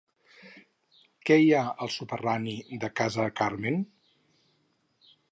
Què hi ha al soterrani de Casa Carmen?